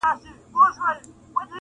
ژوند د کار او زیار په مټ پرمختګ کوي.